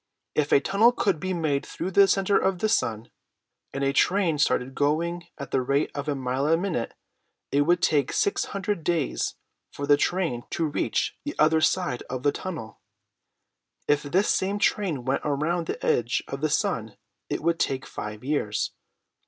If a tunnel could be made through the center of the sun, and a train started going at the rate of a mile a minute, it would take six hundred days for the train to reach the other side of the tunnel. If this same train went around the edge of the sun it would take five years.